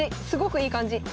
すごくいい感じ。